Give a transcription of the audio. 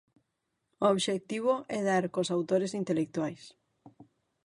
O obxectivo é dar cos autores intelectuais.